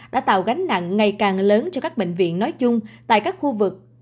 đã tạo gánh nặng ngày càng lớn cho các bệnh viện nói chung tại các khu vực